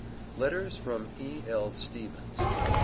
LETTERS FROM E.L. STEVENS.